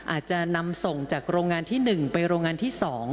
อาจจะนำส่งจากโรงงานที่๑ไปโรงงานที่๒